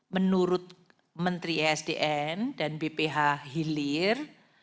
menurut menteri esdm dan bph hilir